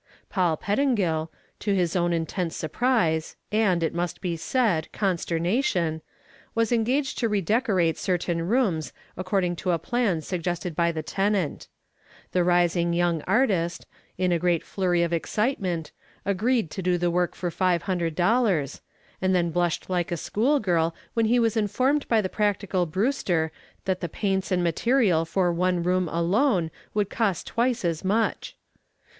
Paul Pettingill, to his own intense surprise and, it must be said, consternation, was engaged to redecorate certain rooms according to a plan suggested by the tenant. The rising young artist, in a great flurry of excitement, agreed to do the work for $500, and then blushed like a schoolgirl when he was informed by the practical Brewster that the paints and material for one room alone would cost twice as much.